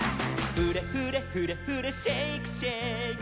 「フレフレフレフレシェイクシェイク」